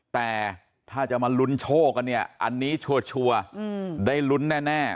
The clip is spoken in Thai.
แต่ถ้าจะมาลุ้นโชคกันเนี่ยอันนี้ชัวร์ได้ลุ้นแน่